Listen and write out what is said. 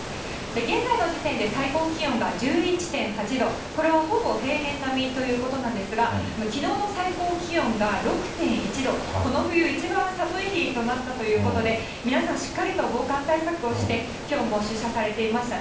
現在の時点で最高気温が１１．８度、これはほぼ平年並みということなんですが、きのうの最高気温が６．１度、この冬一番寒い日となったということで、皆さんしっかりと防寒対策をして、きょうも出社されていましたね。